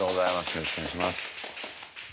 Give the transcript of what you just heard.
よろしくお願いします。